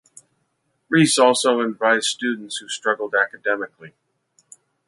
Rhys also advised students who struggled academically.